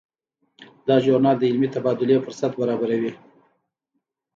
دا ژورنال د علمي تبادلې فرصت برابروي.